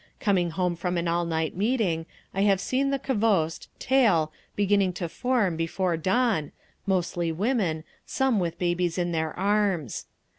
Coming home from an all night meeting I have seen the kvost (tail) beginning to form before dawn, mostly women, some with babies in their arms….